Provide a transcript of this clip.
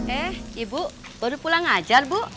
eh ibu baru pulang ngajar bu